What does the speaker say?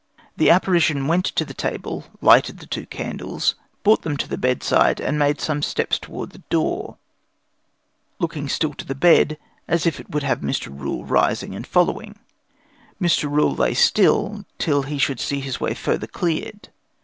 The apparition went to the table, lighted the two candles, brought them to the bedside, and made some steps toward the door, looking still to the bed, as if he would have Mr. Rule rising and following. Mr. Rule still lay still, till he should see his way further cleared.